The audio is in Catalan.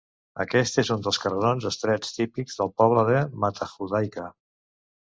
Aquest és un dels carrerons estrets típics del poble de Matajudaica.